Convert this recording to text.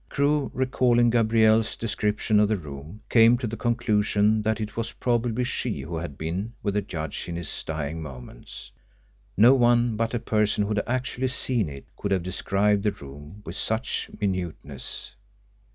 Crewe, recalling Gabrielle's description of the room, came to the conclusion that it was probably she who had been with the judge in his dying moments. No one but a person who had actually seen it could have described the room with such minuteness.